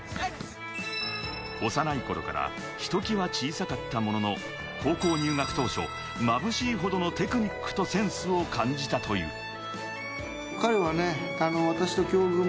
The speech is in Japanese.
幼い頃からひときわ小さかったものの、高校入学当初まぶしいほどのテクニックとセンスを感じたという。